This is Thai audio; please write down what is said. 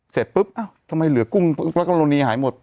เสร็จปุ๊บเอ้าทำไมเหลือกุ้งมักโกโลนีหายหมด